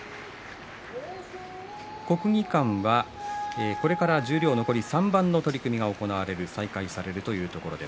国技館はこれから十両残り３番の取組が行われる再開されるところです。